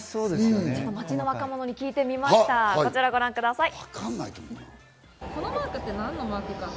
街の若者に聞いてみました、ご覧ください。